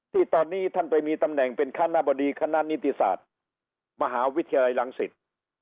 ที่ตอนนี้ท่านไปมีตำแหน่งเป็นคณะบดีคณะนิติศาสตร์มหาวิทยาลัยรังสิต